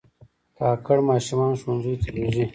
کاکړ ماشومان ښوونځیو ته لېږي.